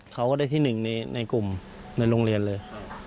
เขาก็ได้ที่หนึ่งในกลุ่มในโรงเรียนเลย